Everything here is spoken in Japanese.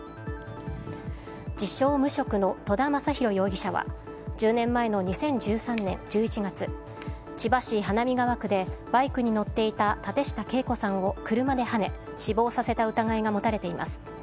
自称無職の戸田昌宏容疑者は１０年前の２０１３年１１月千葉市花見川区でバイクに乗っていた舘下敬子さんを車ではね死亡させた疑いが持たれています。